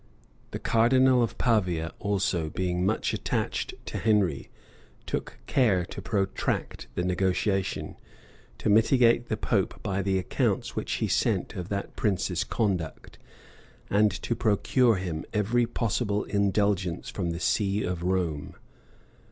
The cardinal of Pavia also, being much attached to Henry, took care to protract the negotiation; to mitigate the pope by the accounts which he sent of that prince's conduct, and to procure him every possible indulgence from the see of Rome.